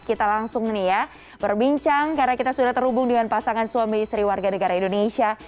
kita langsung nih ya berbincang karena kita sudah terhubung dengan pasangan suami istri warga negara indonesia